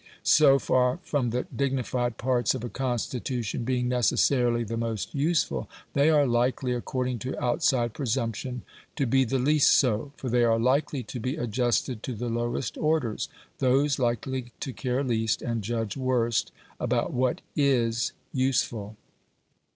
So far from the dignified parts of a constitution being necessarily the most useful, they are likely, according to outside presumption, to be the least so; for they are likely to be adjusted to the lowest orders those likely to care least and judge worst about what IS useful.